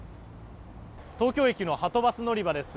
東京駅のはとバス乗り場です。